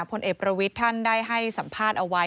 พลเอกประวิทย์ท่านได้ให้สัมภาษณ์เอาไว้